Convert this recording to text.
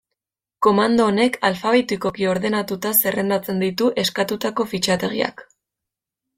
Komando honek alfabetikoki ordenatuta zerrendatzen ditu eskatutako fitxategiak.